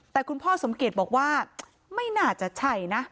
แต่คุณพ่อสมเกียจบอกว่าไม่น่าจะใช่นะ